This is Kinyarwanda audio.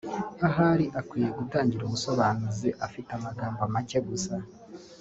Ahari akwiye gutangira ubusobanuzi afite amagambo make gusa